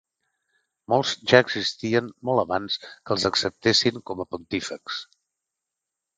Molts ja existien molt abans que els acceptessin com a Pontífex.